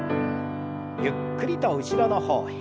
ゆっくりと後ろの方へ。